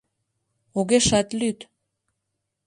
Огешат лӱд.